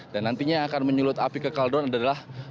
dan nantinya yang akan menyulut api ke kaldun adalah